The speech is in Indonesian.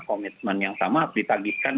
komitmen yang sama ditagihkan